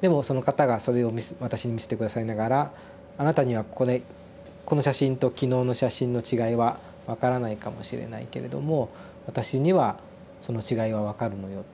でもその方がそれを私に見せて下さりながら「あなたにはこれこの写真と昨日の写真の違いは分からないかもしれないけれども私にはその違いは分かるのよ」と。